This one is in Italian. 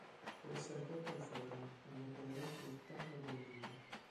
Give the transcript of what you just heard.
Può essere cotta al forno, al vapore fritta o bollita.